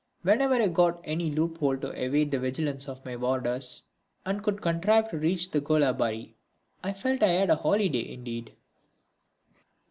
Whenever I got any loop hole to evade the vigilance of my warders and could contrive to reach the golabari I felt I had a holiday indeed.